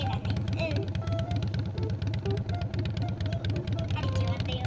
うん！はるきおわったよ。